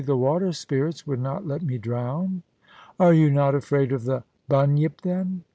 * The water spirits would not let me drown.' * Are you not afraid of the Bunyip, then